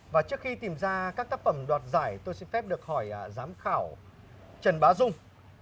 và trước khi tìm ra các tác phẩm đoạt giải tôi xin phép được hỏi giám khảo trần bá dung